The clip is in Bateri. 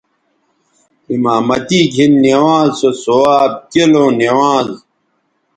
امامتی گھن نوانز سو ثواب کیلوں نوانز